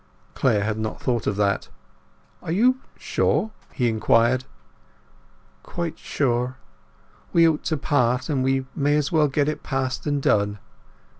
Clare had not thought of that. "Are you sure?" he inquired. "Quite sure. We ought to part, and we may as well get it past and done.